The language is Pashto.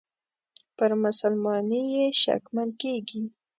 پر مسلماني یې شکمن کیږي.